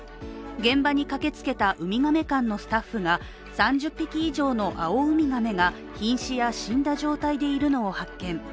現場に駆けつけたウミガメ館のスタッフが３０匹以上のアオウミガメがひん死や死んだ状態でいるのを発見。